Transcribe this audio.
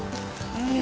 うん！